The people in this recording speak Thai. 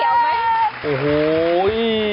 มันเกี่ยวไหม